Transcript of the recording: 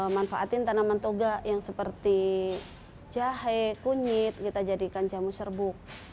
manfaatin tanaman toga yang seperti jahe kunyit kita jadikan jamu serbuk